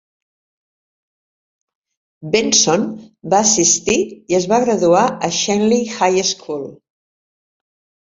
Benson va assistir i es va graduar a "Schenley High School".